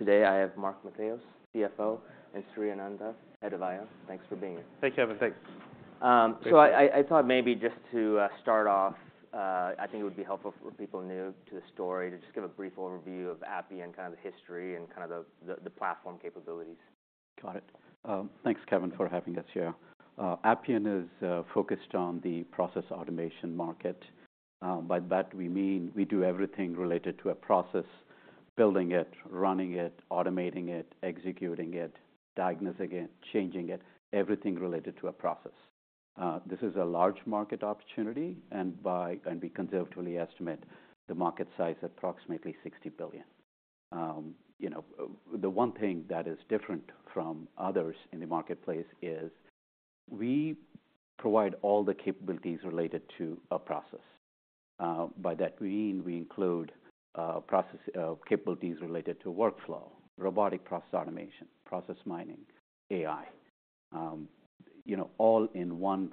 Today, I have Mark Matheos, CFO, and Sri Ananthanarayanan, head of IR. Thanks for being here. Thanks, Kevin. Thanks. So I thought maybe just to start off, I think it would be helpful for people new to the story to just give a brief overview of Appian, kind of the history and kind of the platform capabilities. Got it. Thanks, Kevin, for having us here. Appian is focused on the process automation market. By that we mean we do everything related to a process: building it, running it, automating it, executing it, diagnosing it, changing it, everything related to a process. This is a large market opportunity, and we conservatively estimate the market size approximately $60 billion. You know, the one thing that is different from others in the marketplace is we provide all the capabilities related to a process. By that we mean we include process capabilities related to workflow, robotic process automation, process mining, AI, you know, all in one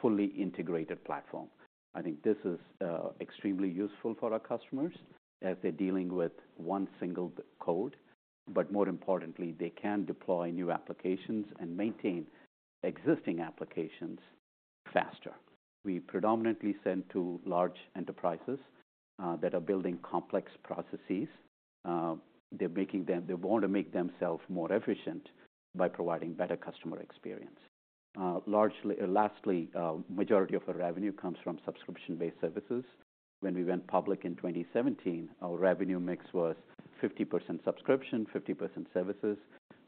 fully integrated platform. I think this is extremely useful for our customers as they're dealing with one single code, but more importantly, they can deploy new applications and maintain existing applications faster. We predominantly sell to large enterprises that are building complex processes. They're making them. They want to make themselves more efficient by providing better customer experience. Largely, majority of our revenue comes from subscription-based services. When we went public in 2017, our revenue mix was 50% subscription, 50% services.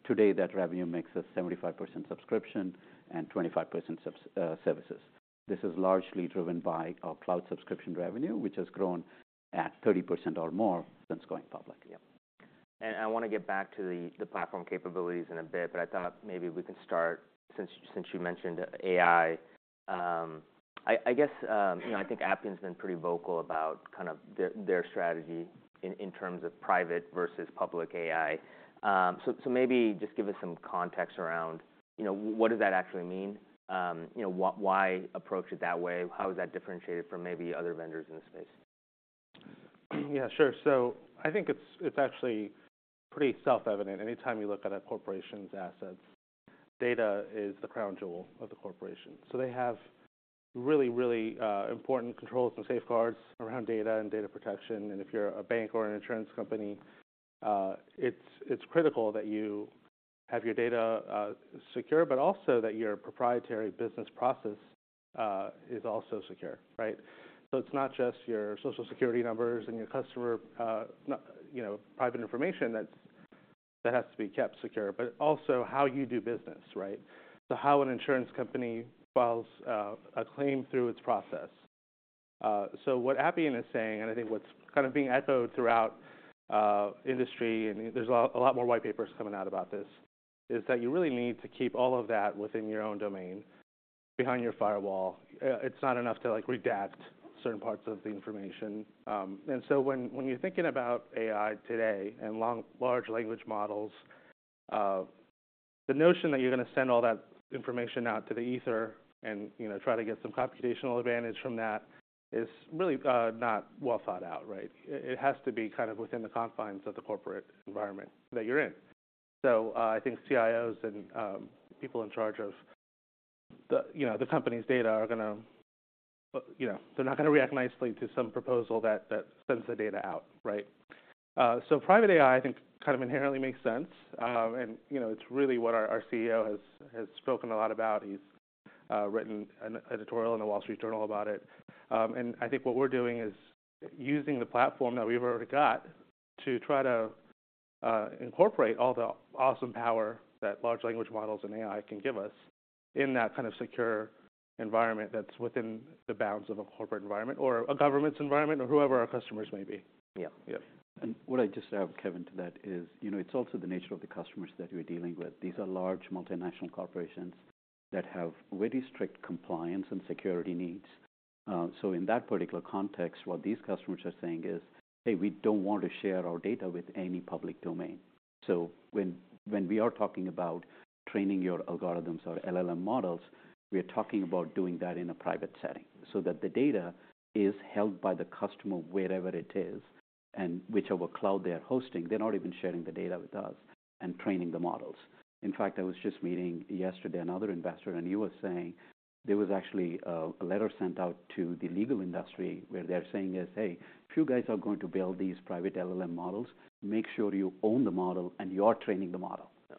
Today, that revenue mix is 75% subscription and 25% services. This is largely driven by our cloud subscription revenue, which has grown at 30% or more since going public. Yeah. I wanna get back to the platform capabilities in a bit, but I thought maybe we can start, since you mentioned AI. I guess, you know, I think Appian's been pretty vocal about kind of their strategy in terms of private versus public AI. So, maybe just give us some context around, you know, what does that actually mean? You know, why approach it that way? How is that differentiated from maybe other vendors in the space? Yeah, sure. So I think it's actually pretty self-evident. Anytime you look at a corporation's assets, data is the crown jewel of the corporation. So they have really, really important controls and safeguards around data and data protection, and if you're a bank or an insurance company, it's critical that you have your data secure, but also that your proprietary business process is also secure, right? So it's not just your Social Security numbers and your customer not, you know, private information that's that has to be kept secure, but also how you do business, right? So how an insurance company files a claim through its process. So what Appian is saying, and I think what's kind of being echoed throughout industry, and there's a lot, a lot more white papers coming out about this, is that you really need to keep all of that within your own domain, behind your firewall. It's not enough to, like, redact certain parts of the information. And so when you're thinking about AI today and large language models, the notion that you're gonna send all that information out to the ether and, you know, try to get some computational advantage from that is really not well thought out, right? It has to be kind of within the confines of the corporate environment that you're in. So, I think CIOs and, people in charge of the, you know, the company's data are gonna, you know, they're not gonna react nicely to some proposal that sends the data out, right? So Private AI, I think, kind of inherently makes sense. And, you know, it's really what our CEO has spoken a lot about. He's written an editorial in The Wall Street Journal about it. And I think what we're doing is using the platform that we've already got to try to incorporate all the awesome power that large language models and AI can give us in that kind of secure environment that's within the bounds of a corporate environment or a government's environment, or whoever our customers may be. Yeah. Yeah. And what I'd just add, Kevin, to that is, you know, it's also the nature of the customers that we're dealing with. These are large multinational corporations that have very strict compliance and security needs. So in that particular context, what these customers are saying is, "Hey, we don't want to share our data with any public domain." So when we are talking about training your algorithms or LLM models, we are talking about doing that in a private setting, so that the data is held by the customer wherever it is, and whichever cloud they are hosting, they're not even sharing the data with us and training the models. In fact, I was just meeting yesterday another investor, and he was saying there was actually a letter sent out to the legal industry where they're saying is: "Hey, if you guys are going to build these private LLM models, make sure you own the model and you are training the model. Yeah.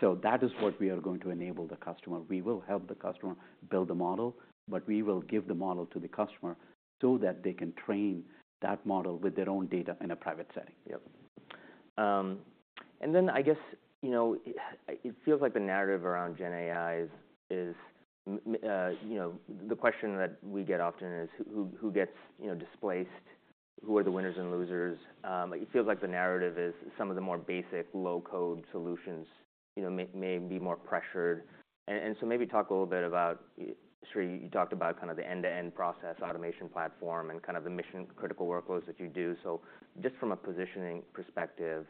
So that is what we are going to enable the customer. We will help the customer build the model, but we will give the model to the customer so that they can train that model with their own data in a private setting. Yep. And then I guess, you know, it feels like the narrative around Gen AI is, you know... The question that we get often is who gets, you know, displaced? Who are the winners and losers? It feels like the narrative is some of the more basic low-code solutions, you know, may be more pressured. And so maybe talk a little bit about, Sri, you talked about kind of the end-to-end process automation platform and kind of the mission-critical workloads that you do. So just from a positioning perspective,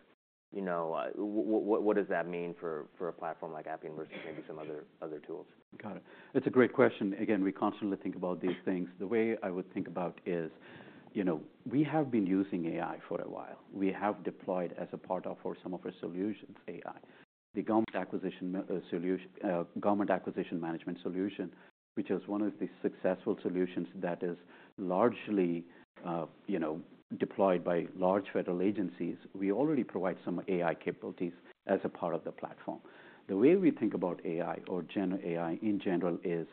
you know, what does that mean for a platform like Appian versus maybe some other tools? Got it. It's a great question. Again, we constantly think about these things. The way I would think about, you know, we have been using AI for a while. We have deployed as a part of, for some of our solutions, AI. The Government Acquisition solution, Government Acquisition Management solution, which is one of the successful solutions that is largely, you know, deployed by large federal agencies, we already provide some AI capabilities as a part of the platform. The way we think about AI or Gen AI in general is,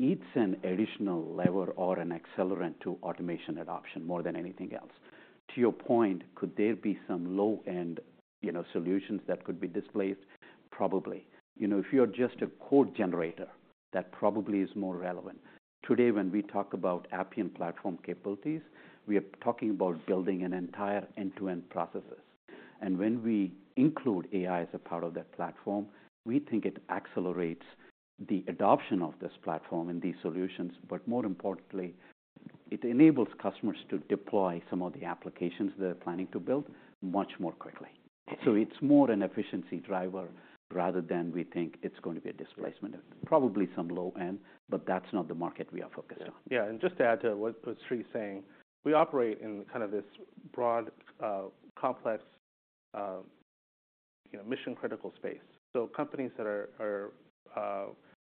it's an additional lever or an accelerant to automation adoption, more than anything else. To your point, could there be some low-end, you know, solutions that could be displaced? Probably. You know, if you are just a code generator, that probably is more relevant. Today, when we talk about Appian Platform capabilities, we are talking about building an entire end-to-end processes. When we include AI as a part of that platform, we think it accelerates the adoption of this platform and these solutions, but more importantly, it enables customers to deploy some of the applications they're planning to build much more quickly. It's more an efficiency driver, rather than we think it's going to be a displacement. Probably some low-end, but that's not the market we are focused on. Yeah, and just to add to what Sri is saying, we operate in kind of this broad, complex, you know, mission-critical space. So companies that are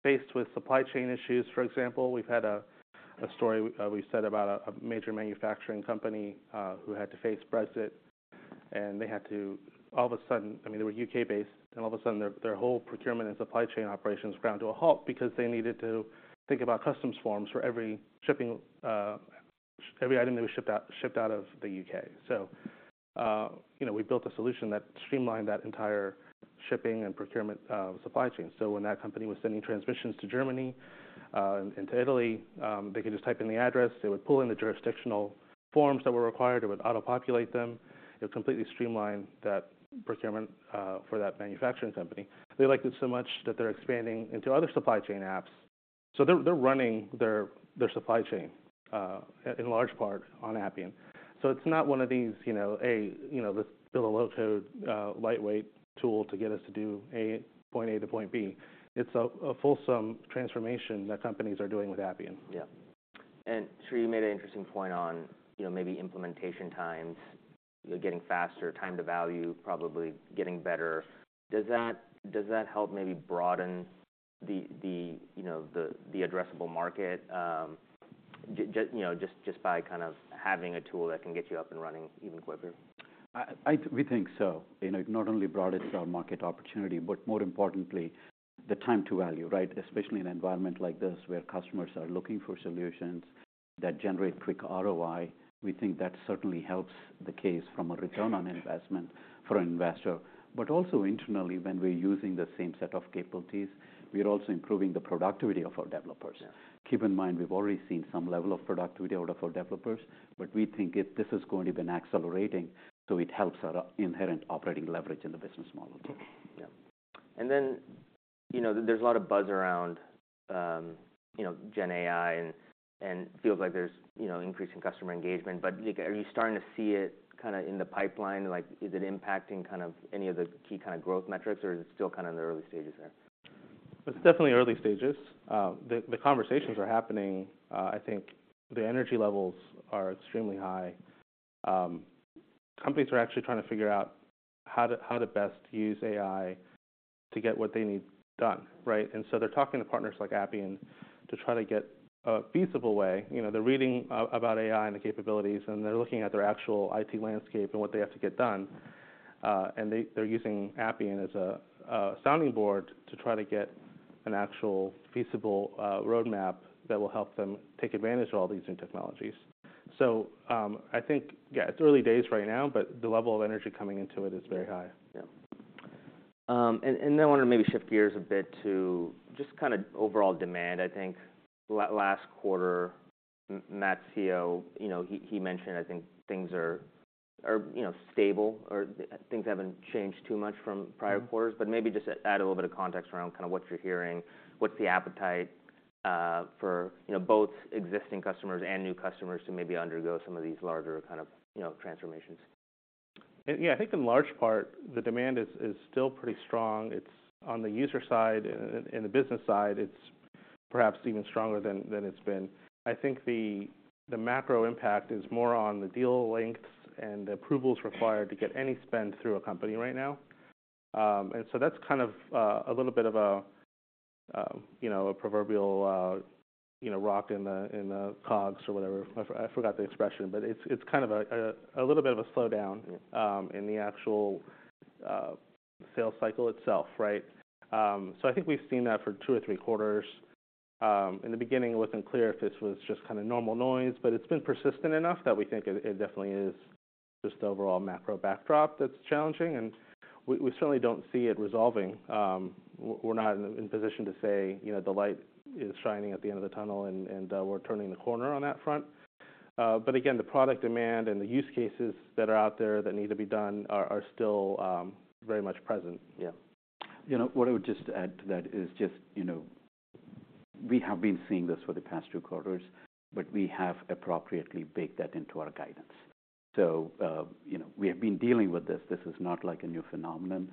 faced with supply chain issues, for example, we've had a story, we said about a major manufacturing company, who had to face Brexit, and they had to all of a sudden... I mean, they were UK-based, and all of a sudden, their whole procurement and supply chain operations ground to a halt because they needed to think about customs forms for every shipping, every item that was shipped out, shipped out of the UK. So, you know, we built a solution that streamlined that entire shipping and procurement, supply chain. So when that company was sending transmissions to Germany, and to Italy, they could just type in the address. It would pull in the jurisdictional forms that were required. It would auto-populate them. It completely streamlined that procurement for that manufacturing company. They liked it so much that they're expanding into other supply chain apps. So they're running their supply chain in large part on Appian. So it's not one of these, you know, this build a low-code lightweight tool to get us to do A, point A to point B. It's a fulsome transformation that companies are doing with Appian. Yeah. And Sri, you made an interesting point on, you know, maybe implementation times, you know, getting faster, time to value, probably getting better. Does that help maybe broaden the, you know, the addressable market, you know, just by kind of having a tool that can get you up and running even quicker? We think so. You know, it not only broadens our market opportunity, but more importantly, the time to value, right? Especially in an environment like this, where customers are looking for solutions that generate quick ROI, we think that certainly helps the case from a return on investment for an investor. But also internally, when we're using the same set of capabilities, we are also improving the productivity of our developers. Yeah. Keep in mind, we've already seen some level of productivity out of our developers, but we think this is going to be accelerating, so it helps our inherent operating leverage in the business model. Yeah. And then, you know, there's a lot of buzz around, you know, Gen AI, and, and feels like there's, you know, increase in customer engagement. But like, are you starting to see it kind of in the pipeline? Like, is it impacting kind of any of the key kind of growth metrics, or is it still kind of in the early stages there? It's definitely early stages. The conversations are happening. I think the energy levels are extremely high. Companies are actually trying to figure out how to best use AI to get what they need done, right? And so they're talking to partners like Appian to try to get a feasible way. You know, they're reading about AI and the capabilities, and they're looking at their actual IT landscape and what they have to get done, and they're using Appian as a sounding board to try to get an actual feasible roadmap that will help them take advantage of all these new technologies. So, I think, yeah, it's early days right now, but the level of energy coming into it is very high. Yeah. And then I want to maybe shift gears a bit to just kind of overall demand. I think last quarter, Matt, CEO, you know, he mentioned I think things are, you know, stable or things haven't changed too much from prior quarters. But maybe just add a little bit of context around kind of what you're hearing, what's the appetite for, you know, both existing customers and new customers to maybe undergo some of these larger kind of, you know, transformations. Yeah, I think in large part, the demand is still pretty strong. It's on the user side and the business side, it's perhaps even stronger than it's been. I think the macro impact is more on the deal lengths and the approvals required to get any spend through a company right now. And so that's kind of a little bit of a, you know, a proverbial, you know, rock in the cogs or whatever. I forgot the expression, but it's kind of a little bit of a slowdown. Yeah In the actual sales cycle itself, right? So I think we've seen that for two or three quarters. In the beginning, it wasn't clear if this was just kind of normal noise, but it's been persistent enough that we think it definitely is just the overall macro backdrop that's challenging, and we certainly don't see it resolving. We're not in position to say, you know, the light is shining at the end of the tunnel and we're turning the corner on that front. But again, the product demand and the use cases that are out there that need to be done are still very much present. Yeah. You know, what I would just add to that is just, you know, we have been seeing this for the past two quarters, but we have appropriately baked that into our guidance. So, you know, we have been dealing with this. This is not like a new phenomenon.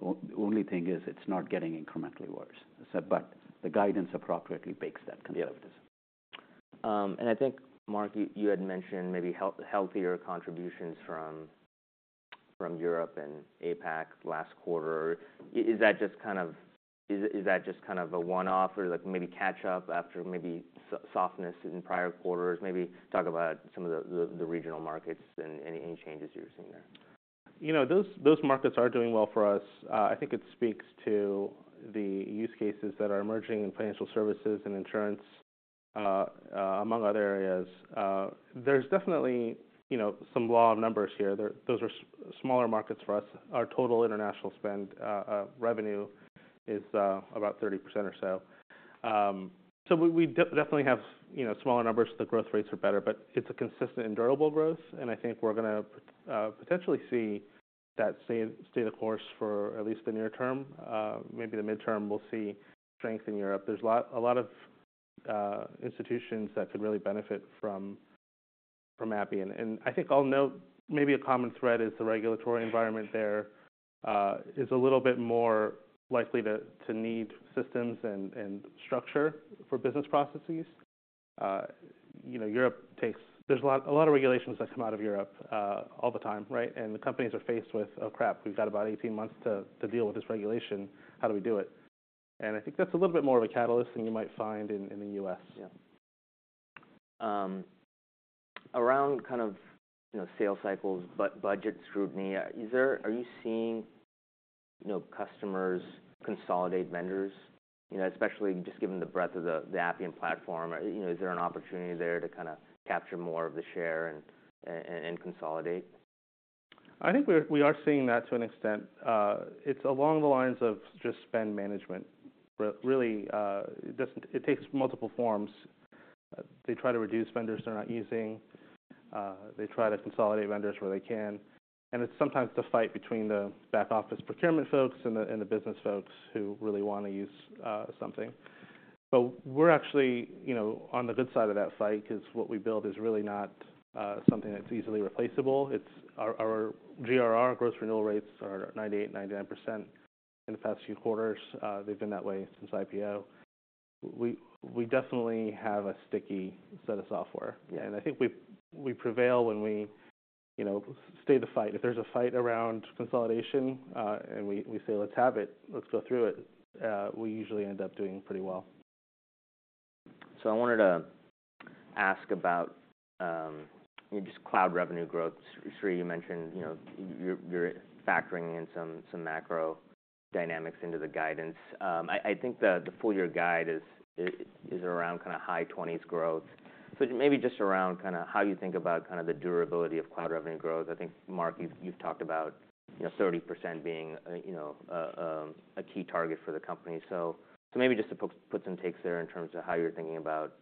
The only thing is, it's not getting incrementally worse. So, but the guidance appropriately bakes that into this. And I think, Mark, you had mentioned maybe healthier contributions from Europe and APAC last quarter. Is that just kind of a one-off, or like maybe catch up after maybe softness in prior quarters? Maybe talk about some of the regional markets and any changes you're seeing there. You know, those, those markets are doing well for us. I think it speaks to the use cases that are emerging in financial services and insurance, among other areas. There's definitely, you know, some law of numbers here. There, those are smaller markets for us. Our total international spend, revenue is about 30% or so. So we definitely have, you know, smaller numbers. The growth rates are better, but it's a consistent and durable growth, and I think we're gonna potentially see that same stay the course for at least the near term. Maybe the midterm, we'll see strength in Europe. There's a lot, a lot of institutions that could really benefit from, from Appian. I think I'll note, maybe a common thread is the regulatory environment there is a little bit more likely to need systems and structure for business processes. You know, Europe takes... There's a lot of regulations that come out of Europe all the time, right? And the companies are faced with, "Oh, crap, we've got about 18 months to deal with this regulation. How do we do it?" And I think that's a little bit more of a catalyst than you might find in the U.S. Yeah. Around kind of, you know, sales cycles, but budget scrutiny, is there are you seeing, you know, customers consolidate vendors? You know, especially just given the breadth of the, the Appian Platform, you know, is there an opportunity there to kind of capture more of the share and consolidate? I think we are seeing that to an extent. It's along the lines of just spend management, but really, it takes multiple forms. They try to reduce vendors they're not using, they try to consolidate vendors where they can, and it's sometimes the fight between the back office procurement folks and the business folks who really want to use something. But we're actually, you know, on the good side of that fight, because what we build is really not something that's easily replaceable. It's our GRR, gross renewal rates, are 98%-99% in the past few quarters. They've been that way since IPO. We definitely have a sticky set of software. Yeah. I think we prevail when we, you know, stay the fight. If there's a fight around consolidation, and we say, "Let's have it. Let's go through it," we usually end up doing pretty well. So I wanted to ask about just cloud revenue growth. Sri, you mentioned, you know, you're factoring in some macro dynamics into the guidance. I think the full-year guide is around kind of high 20s growth. So maybe just around kind of how you think about kind of the durability of cloud revenue growth. I think, Mark, you've talked about, you know, 30% being a key target for the company. So maybe just to put some takes there in terms of how you're thinking about,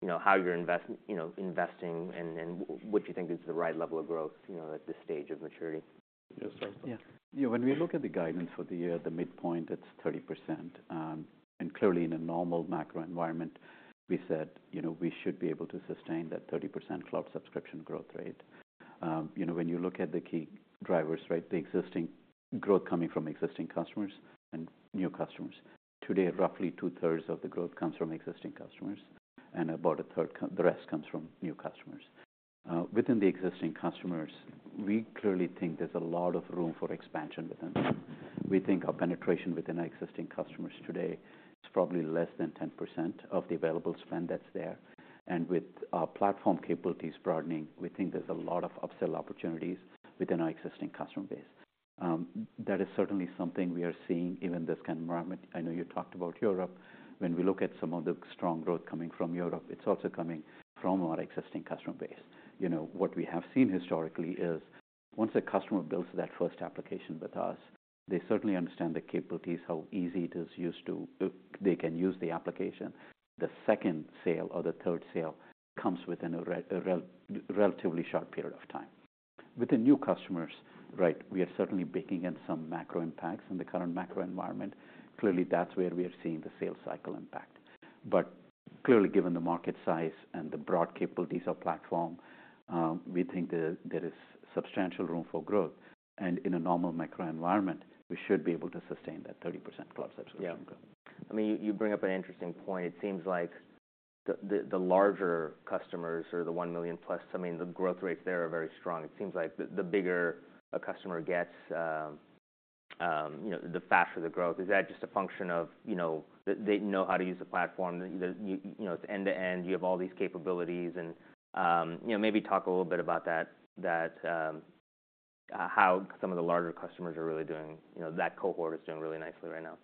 you know, how you're investing and what you think is the right level of growth, you know, at this stage of maturity. Yes. Yeah. You know, when we look at the guidance for the year, the midpoint, it's 30%. And clearly, in a normal macro environment, we said, you know, we should be able to sustain that 30% cloud subscription growth rate. You know, when you look at the key drivers, right? The existing growth coming from existing customers and new customers. Today, roughly two-thirds of the growth comes from existing customers, and about a third come... the rest comes from new customers. Within the existing customers, we clearly think there's a lot of room for expansion with them. We think our penetration within our existing customers today is probably less than 10% of the available spend that's there. And with our platform capabilities broadening, we think there's a lot of upsell opportunities within our existing customer base. That is certainly something we are seeing, even in this kind of environment. I know you talked about Europe. When we look at some of the strong growth coming from Europe, it's also coming from our existing customer base. You know, what we have seen historically is, once a customer builds that first application with us, they certainly understand the capabilities, how easy it is used to... they can use the application. The second sale or the third sale comes within a relatively short period of time. With the new customers, right, we are certainly baking in some macro impacts in the current macro environment. Clearly, that's where we are seeing the sales cycle impact. But clearly, given the market size and the broad capabilities of platform, we think there is substantial room for growth, and in a normal macro environment, we should be able to sustain that 30% cloud subscription growth. Yeah. I mean, you bring up an interesting point. It seems like the larger customers or the 1 million plus, I mean, the growth rates there are very strong. It seems like the bigger a customer gets, you know, the faster the growth. Is that just a function of, you know, they know how to use the platform, that, you know, it's end-to-end, you have all these capabilities? And, you know, maybe talk a little bit about that, that, how some of the larger customers are really doing. You know, that cohort is doing really nicely right now.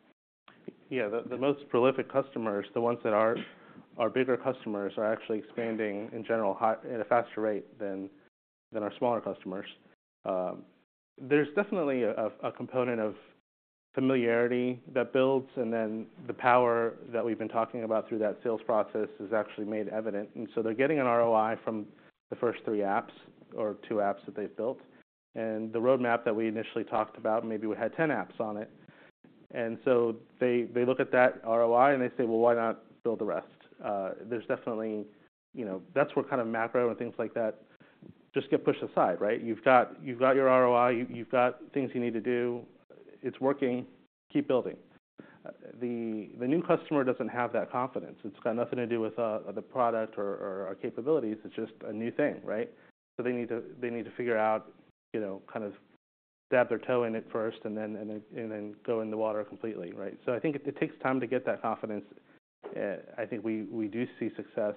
Yeah. The, the most prolific customers, the ones that are our bigger customers, are actually expanding in general, high, at a faster rate than, than our smaller customers. There's definitely a, a component of familiarity that builds, and then the power that we've been talking about through that sales process is actually made evident. And so they're getting an ROI from the first 3 apps or 2 apps that they've built, and the roadmap that we initially talked about, maybe we had 10 apps on it. And so they, they look at that ROI and they say, "Well, why not build the rest?" There's definitely, you know, that's where kind of macro and things like that just get pushed aside, right? You've got, you've got your ROI, you, you've got things you need to do. It's working, keep building. The, the new customer doesn't have that confidence. It's got nothing to do with the product or our capabilities, it's just a new thing, right? So they need to figure out, you know, kind of dab their toe in it first, and then, and then, and then go in the water completely, right? So I think it takes time to get that confidence. I think we do see success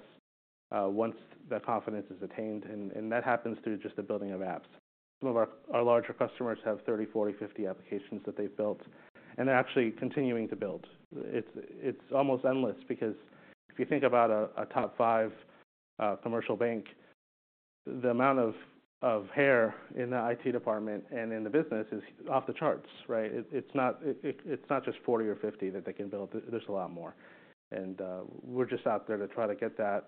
once that confidence is attained, and that happens through just the building of apps. Some of our larger customers have 30, 40, 50 applications that they've built, and they're actually continuing to build. It's almost endless, because if you think about a top five commercial bank, the amount of hair in the IT department and in the business is off the charts, right? It's not... It's not just 40 or 50 that they can build; there's a lot more. And, we're just out there to try to get that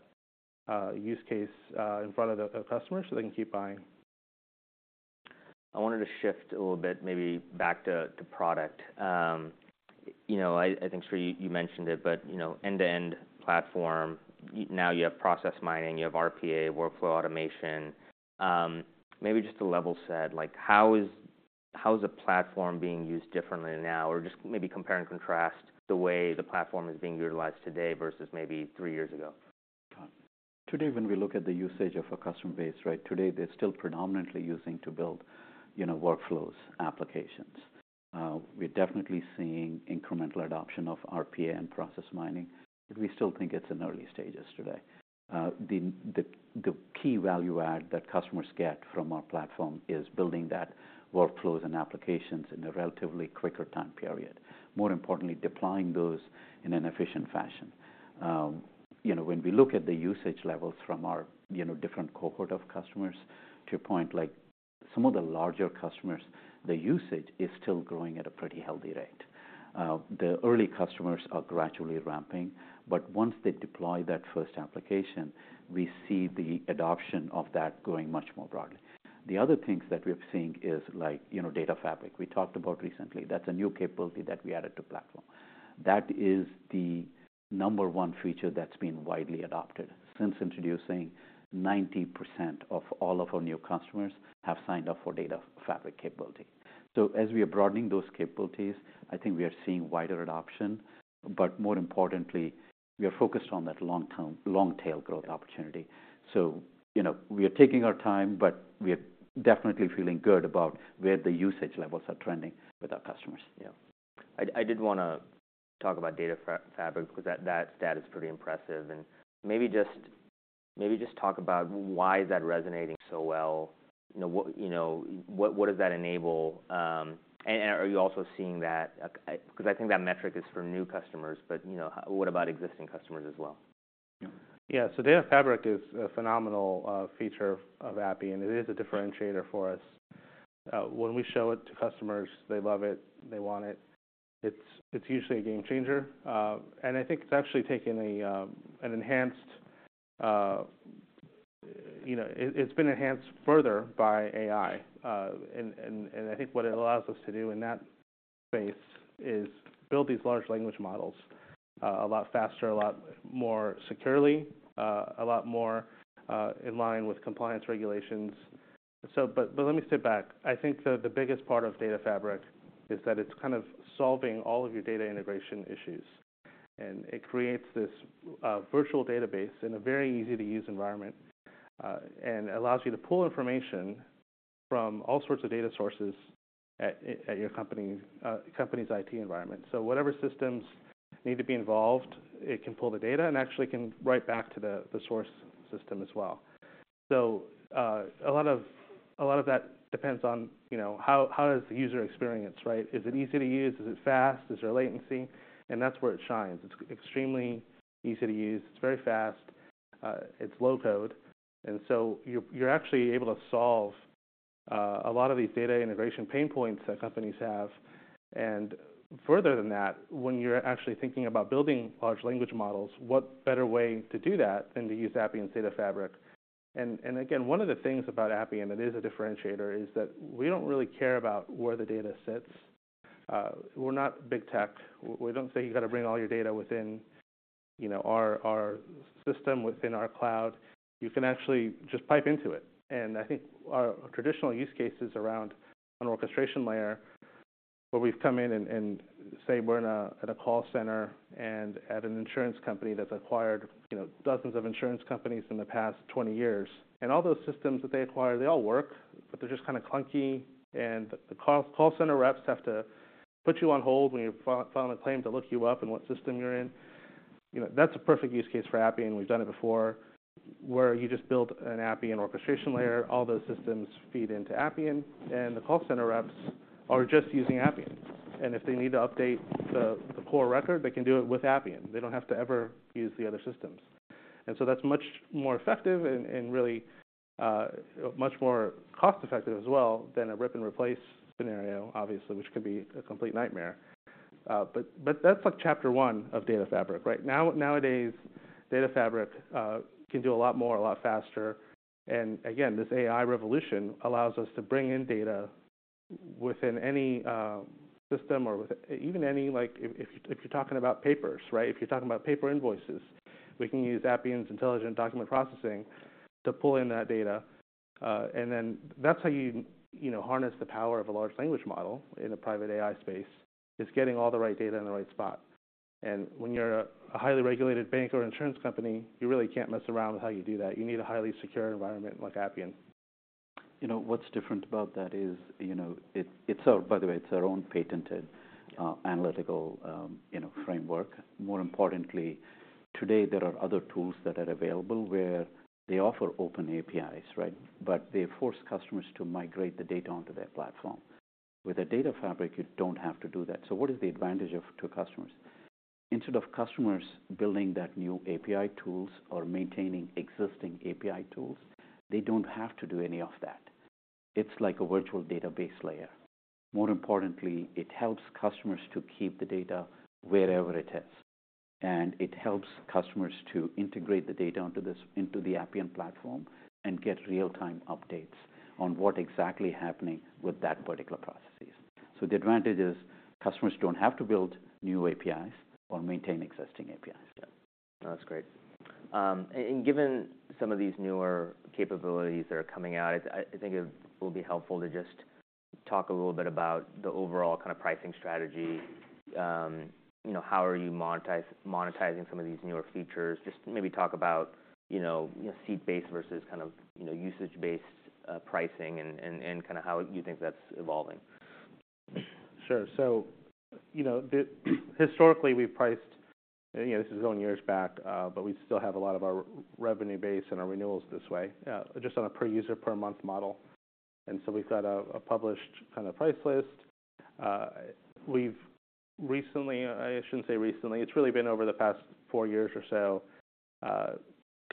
use case in front of the customers so they can keep buying. I wanted to shift a little bit, maybe back to, to product. You know, I think, Sri, you mentioned it, but, you know, end-to-end platform, now you have Process Mining, you have RPA, workflow automation. Maybe just to level set, like, how is, how is the platform being used differently now? Or just maybe compare and contrast the way the platform is being utilized today versus maybe three years ago. Today, when we look at the usage of our customer base, right? Today, they're still predominantly using to build, you know, workflows, applications. We're definitely seeing incremental adoption of RPA and process mining, but we still think it's in early stages today. The key value add that customers get from our platform is building that workflows and applications in a relatively quicker time period. More importantly, deploying those in an efficient fashion. You know, when we look at the usage levels from our, you know, different cohort of customers, to a point, like some of the larger customers, the usage is still growing at a pretty healthy rate. The early customers are gradually ramping, but once they deploy that first application, we see the adoption of that growing much more broadly. The other things that we're seeing is, like, you know, Data Fabric. We talked about recently, that's a new capability that we added to platform. That is the number one feature that's been widely adopted. Since introducing, 90% of all of our new customers have signed up for Data Fabric capability. So as we are broadening those capabilities, I think we are seeing wider adoption, but more importantly, we are focused on that long-term... long-tail growth opportunity. So, you know, we are taking our time, but we are definitely feeling good about where the usage levels are trending with our customers. Yeah. I did wanna talk about Data Fabric, because that stat is pretty impressive. And maybe just talk about why is that resonating so well. You know, what does that enable? And are you also seeing that, 'cause I think that metric is for new customers, but you know, what about existing customers as well? Yeah. So Data Fabric is a phenomenal feature of Appian, and it is a differentiator for us. When we show it to customers, they love it, they want it. It's, it's usually a game changer. And I think it's actually... You know, it, it's been enhanced further by AI. And, and, and I think what it allows us to do in that space is build these large language models, a lot faster, a lot more securely, a lot more, in line with compliance regulations. So but, but let me step back. I think the biggest part of data fabric is that it's kind of solving all of your data integration issues, and it creates this virtual database in a very easy-to-use environment, and allows you to pull information from all sorts of data sources at your company's IT environment. So whatever systems need to be involved, it can pull the data, and actually can write back to the source system as well. So a lot of that depends on, you know, how is the user experience, right? Is it easy to use? Is it fast? Is there latency? And that's where it shines. It's extremely easy to use, it's very fast, it's low code, and so you're actually able to solve a lot of these data integration pain points that companies have. And further than that, when you're actually thinking about building large language models, what better way to do that than to use Appian's Data Fabric? And again, one of the things about Appian that is a differentiator is that we don't really care about where the data sits. We're not big tech. We don't say you've got to bring all your data within, you know, our system, within our cloud. You can actually just pipe into it. And I think our traditional use case is around an orchestration layer, where we've come in and say we're in at a call center and at an insurance company that's acquired, you know, dozens of insurance companies in the past 20 years. And all those systems that they acquire, they all work, but they're just kind of clunky, and the call center reps have to put you on hold when you file a claim to look you up and what system you're in. You know, that's a perfect use case for Appian, we've done it before, where you just build an Appian orchestration layer, all those systems feed into Appian, and the call center reps are just using Appian. And if they need to update the core record, they can do it with Appian. They don't have to ever use the other systems. And so that's much more effective and really much more cost-effective as well than a rip and replace scenario, obviously, which can be a complete nightmare. But that's like chapter one of Data Fabric, right? Nowadays, Data Fabric can do a lot more, a lot faster. And again, this AI revolution allows us to bring in data within any system or with even any, like, if you're talking about papers, right? If you're talking about paper invoices, we can use Appian's Intelligent Document Processing to pull in that data. And then that's how you, you know, harness the power of a large language model in a Private AI space. It's getting all the right data in the right spot. And when you're a highly regulated bank or insurance company, you really can't mess around with how you do that. You need a highly secure environment like Appian. You know, what's different about that is, you know, it's our... By the way, it's our own patented analytical, you know, framework. More importantly, today there are other tools that are available where they offer open APIs, right? But they force customers to migrate the data onto their platform. With a Data Fabric, you don't have to do that. So what is the advantage of, to customers? Instead of customers building that new API tools or maintaining existing API tools, they don't have to do any of that. It's like a virtual database layer. More importantly, it helps customers to keep the data wherever it is, and it helps customers to integrate the data onto this, into the Appian Platform and get real-time updates on what exactly happening with that particular processes. So the advantage is, customers don't have to build new APIs or maintain existing APIs. Yeah. That's great. And given some of these newer capabilities that are coming out, I think it will be helpful to just talk a little bit about the overall kind of pricing strategy. You know, how are you monetizing some of these newer features? Just maybe talk about, you know, seat-based versus kind of, you know, usage-based pricing and kind of how you think that's evolving. Sure. So, you know, the... Historically, we've priced, you know, this is going years back, but we still have a lot of our revenue base and our renewals this way, just on a per user, per month model, and so we've got a published kind of price list. We've recently, I shouldn't say recently, it's really been over the past 4 years or so,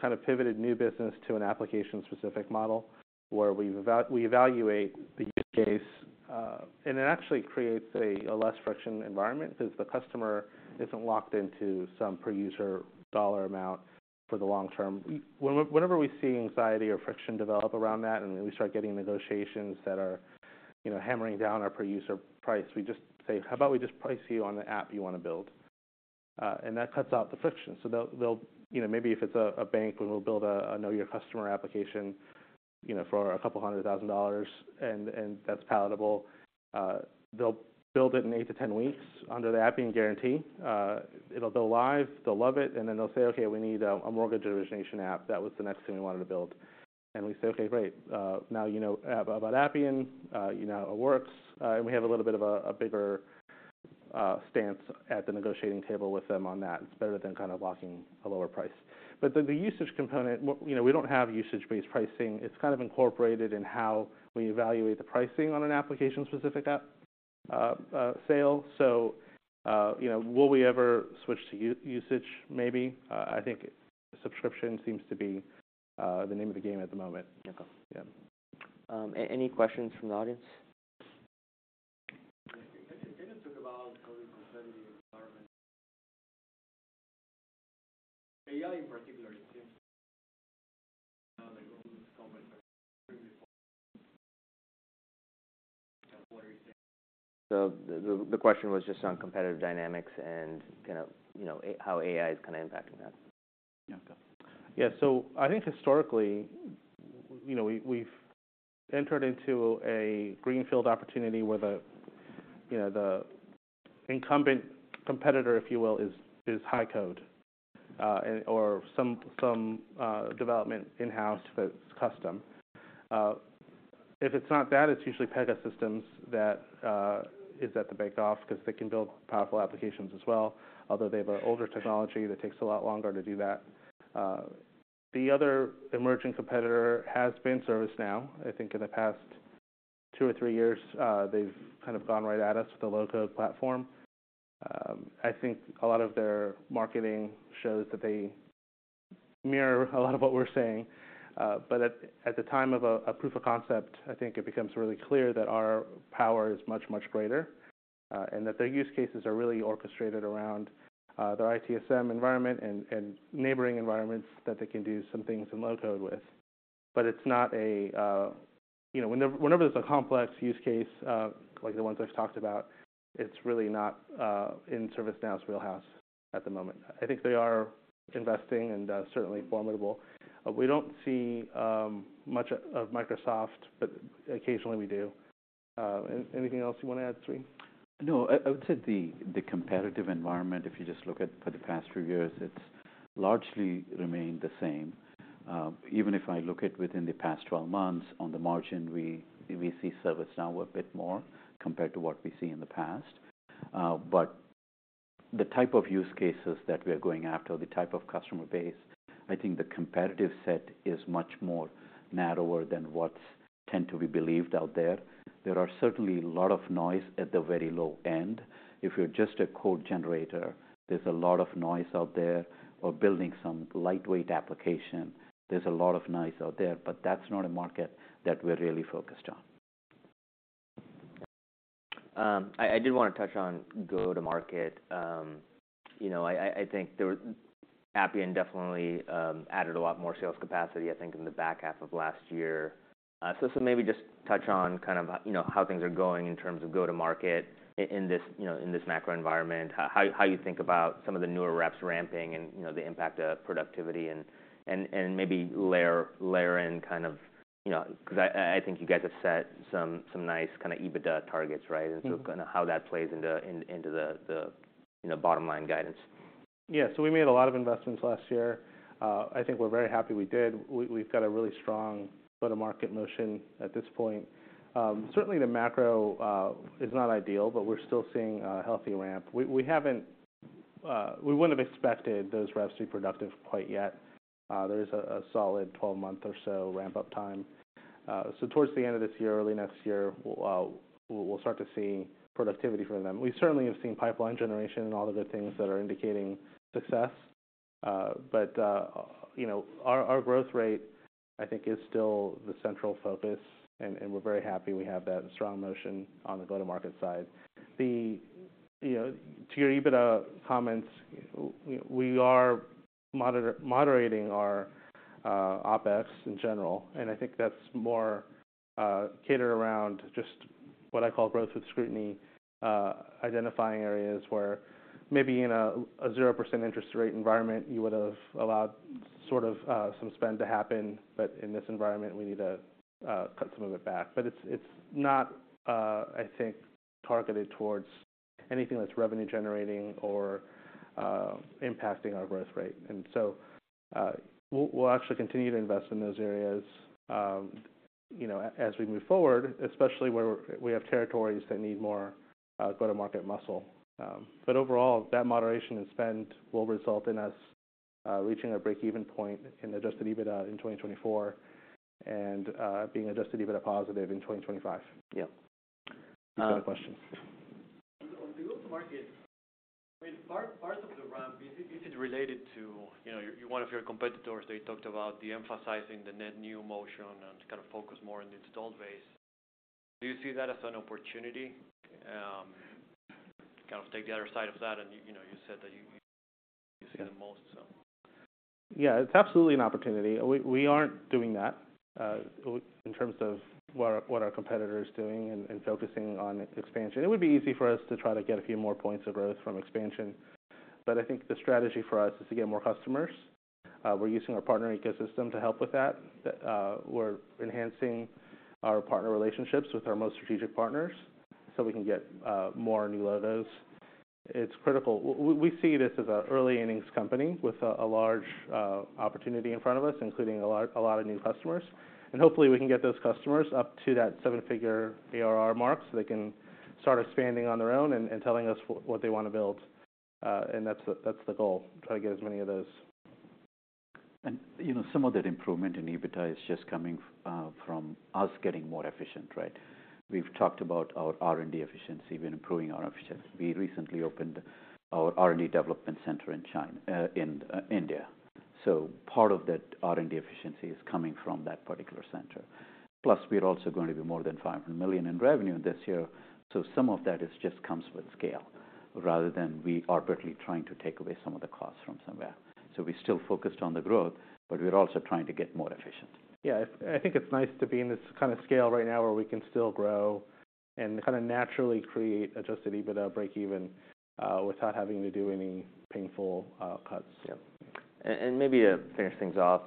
kind of pivoted new business to an application-specific model, where we evaluate the use case, and it actually creates a less friction environment because the customer isn't locked into some per user dollar amount for the long term. Whenever we see anxiety or friction develop around that, and we start getting negotiations that are, you know, hammering down our per user price, we just say, "How about we just price you on the app you wanna build?" And that cuts out the friction. So they'll. You know, maybe if it's a bank, we'll build a know your customer application, you know, for $200,000, and that's palatable. They'll build it in 8-10 weeks under the Appian Guarantee. It'll go live, they'll love it, and then they'll say, "Okay, we need a mortgage origination app. That was the next thing we wanted to build." And we say, "Okay, great. Now you know about Appian, you know how it works, and we have a little bit of a bigger stance at the negotiating table with them on that. It's better than kind of locking a lower price. But the usage component... You know, we don't have usage-based pricing. It's kind of incorporated in how we evaluate the pricing on an application-specific app sale. So, you know, will we ever switch to usage? Maybe. I think subscription seems to be the name of the game at the moment. Okay. Yeah. Any questions from the audience? Can you talk about how you compare the environment? AI in particular seems like what is it? So the question was just on competitive dynamics and kind of, you know, how AI is kind of impacting that. Yeah. Yeah. So I think historically, you know, we, we've entered into a greenfield opportunity where the, you know, the incumbent competitor, if you will, is high-code, and or some development in-house that's custom. If it's not that, it's usually Pegasystems that is at the bake-off because they can build powerful applications as well, although they have an older technology that takes a lot longer to do that. The other emerging competitor has been ServiceNow. I think in the past two or three years, they've kind of gone right at us with a low-code platform. I think a lot of their marketing shows that they mirror a lot of what we're saying. But at the time of a proof of concept, I think it becomes really clear that our power is much, much greater, and that their use cases are really orchestrated around their ITSM environment and neighboring environments that they can do some things in low-code with. But it's not... You know, whenever there's a complex use case, like the ones I've talked about, it's really not in ServiceNow's wheelhouse at the moment. I think they are investing and certainly formidable. We don't see much of Microsoft, but occasionally we do. Anything else you want to add, Sri? No, I would say the competitive environment, if you just look at for the past few years, it's largely remained the same. Even if I look at within the past 12 months, on the margin, we see ServiceNow a bit more compared to what we see in the past. But the type of use cases that we are going after, the type of customer base, I think the competitive set is much more narrower than what's tend to be believed out there. There are certainly a lot of noise at the very low end. If you're just a code generator, there's a lot of noise out there, or building some lightweight application, there's a lot of noise out there, but that's not a market that we're really focused on. I did wanna touch on go-to-market. You know, I think there were. Appian definitely added a lot more sales capacity, I think, in the back half of last year. So, maybe just touch on kind of, you know, how things are going in terms of go-to-market in this, you know, in this macro environment. How you think about some of the newer reps ramping and, you know, the impact of productivity, and maybe layer in kind of, you know... 'Cause I think you guys have set some nice kinda EBITDA targets, right? And so kinda how that plays into the, you know, bottom line guidance. Yeah. So we made a lot of investments last year. I think we're very happy we did. We've got a really strong go-to-market motion at this point. Certainly the macro is not ideal, but we're still seeing a healthy ramp. We wouldn't have expected those reps to be productive quite yet. There's a solid 12-month or so ramp-up time. So towards the end of this year, early next year, we'll start to see productivity from them. We certainly have seen pipeline generation and all of the things that are indicating success. But you know, our growth rate, I think, is still the central focus, and we're very happy we have that strong motion on the go-to-market side. You know, to your EBITDA comments, we are moderating our OpEx in general, and I think that's more catered around just what I call growth with scrutiny. Identifying areas where maybe in a 0% interest rate environment, you would've allowed sort of some spend to happen, but in this environment, we need to cut some of it back. But it's not, I think, targeted towards anything that's revenue generating or impacting our growth rate. And so, we'll actually continue to invest in those areas, you know, as we move forward, especially where we have territories that need more go-to-market muscle. But overall, that moderation in spend will result in us reaching a break-even point in adjusted EBITDA in 2024, and being adjusted EBITDA positive in 2025. Yeah, uh- Any other questions? On the go-to-market, I mean, part of the ramp, is it related to... You know, your one of your competitors, they talked about de-emphasizing the net new motion and kind of focus more on the installed base. Do you see that as an opportunity, to kind of take the other side of that? And, you know, you said that you see the most, so. Yeah, it's absolutely an opportunity. We aren't doing that in terms of what our competitor is doing and focusing on expansion. It would be easy for us to try to get a few more points of growth from expansion, but I think the strategy for us is to get more customers. We're using our partner ecosystem to help with that. We're enhancing our partner relationships with our most strategic partners so we can get more new logos. It's critical. We see this as an early innings company with a large opportunity in front of us, including a lot of new customers. And hopefully, we can get those customers up to that seven-figure ARR mark, so they can start expanding on their own and telling us what they wanna build. And that's the, that's the goal, try to get as many of those. You know, some of that improvement in EBITDA is just coming from us getting more efficient, right? We've talked about our R&D efficiency. We're improving our efficiency. We recently opened our R&D development center in Chennai, in India, so part of that R&D efficiency is coming from that particular center. Plus, we're also going to be more than $500 million in revenue this year, so some of that is just comes with scale, rather than we arbitrarily trying to take away some of the costs from somewhere. So we're still focused on the growth, but we're also trying to get more efficient. Yeah. I, I think it's nice to be in this kind of scale right now, where we can still grow and kind of naturally create Adjusted EBITDA breakeven without having to do any painful cuts. Yeah. Maybe to finish things off,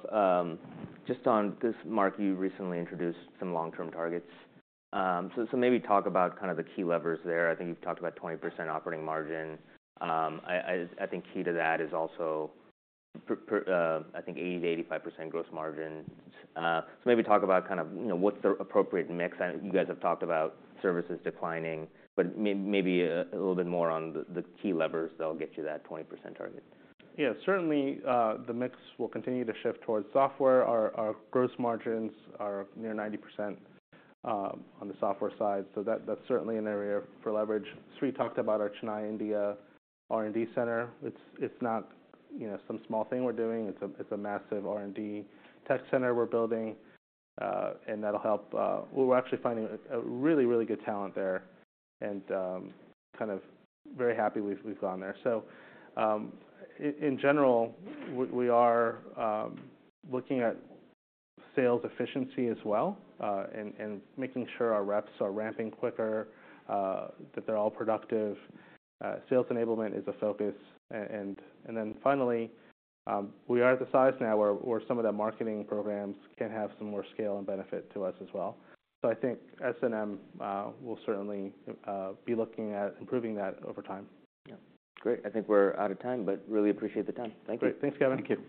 just on this, Mark, you recently introduced some long-term targets. So maybe talk about kind of the key levers there. I think you've talked about 20% operating margin. I think key to that is also 80%-85% gross margin. So maybe talk about kind of, you know, what's the appropriate mix. I know you guys have talked about services declining, but maybe a little bit more on the key levers that'll get you that 20% target. Yeah. Certainly, the mix will continue to shift towards software. Our gross margins are near 90%, on the software side, so that's certainly an area for leverage. Sri talked about our Chennai, India, R&D center. It's not, you know, some small thing we're doing, it's a massive R&D tech center we're building, and that'll help. We're actually finding a really good talent there, and kind of very happy we've gone there. So, in general, we are looking at sales efficiency as well, and making sure our reps are ramping quicker, that they're all productive. Sales enablement is a focus. And then finally, we are at the size now where some of the marketing programs can have some more scale and benefit to us as well. So I think S&M we'll certainly be looking at improving that over time. Yeah. Great. I think we're out of time, but really appreciate the time. Thank you. Great. Thanks, Kevin. Thank you.